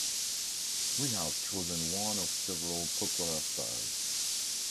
We have chosen one of several popular styles.